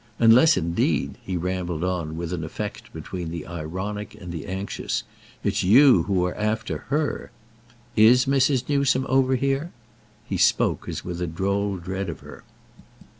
Unless indeed," he rambled on with an effect between the ironic and the anxious, "it's you who are after her. Is Mrs. Newsome over here?" He spoke as with a droll dread of her.